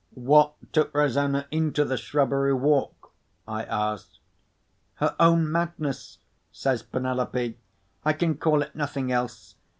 "What took Rosanna into the shrubbery walk?" I asked. "Her own madness," says Penelope; "I can call it nothing else.